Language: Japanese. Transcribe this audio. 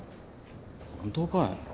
本当かい？